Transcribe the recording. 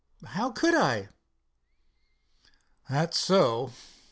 "How could I?" "That's so.